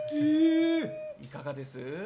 いかがです？